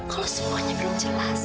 kalau semuanya belum jelas